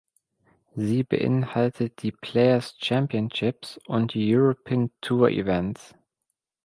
Sie beinhaltet die Players Championships und die European Tour Events.